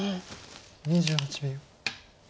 ２８秒。